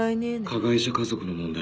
加害者家族の問題。